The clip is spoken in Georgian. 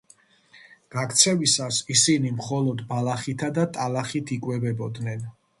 გაქცევისას ისინი მხოლოდ ბალახითა და ტალახით იკვებებოდნენ.